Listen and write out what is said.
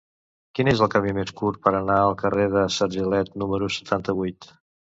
Quin és el camí més curt per anar al carrer de Sargelet número setanta-vuit?